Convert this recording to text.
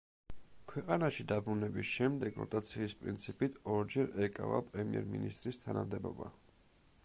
ქვეყნაში დაბრუნების შემდეგ როტაციის პრინციპით ორჯერ ეკავა პრემიერ-მინისტრის თანამდებობა.